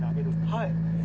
はい。